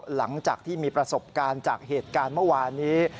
หลังจากที่มีประสบการณ์จากเหตุการณ์เมื่อวานนี้